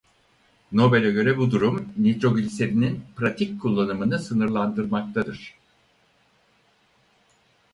Nobel'e göre bu durum nitrogliserinin pratik kullanımını sınırlandırmaktadır.